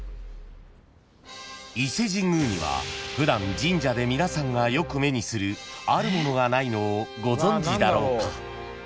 ［伊勢神宮には普段神社で皆さんがよく目にするあるものがないのをご存じだろうか？］